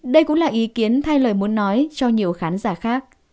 đây cũng là ý kiến thay lời muốn nói cho nhiều khán giả khác